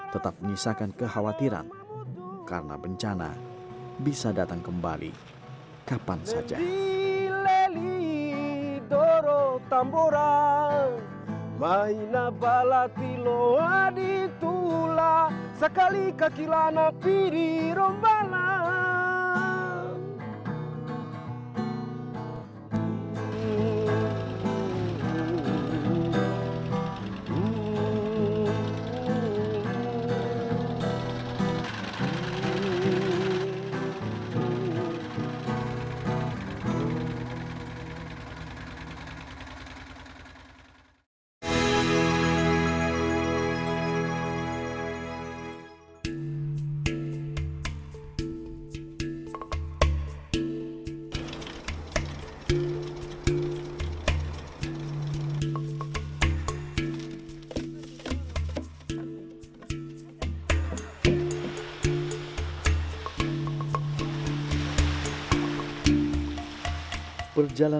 tetap menisahkan kekhawatiran karena bencana bisa datang kembali kapan saja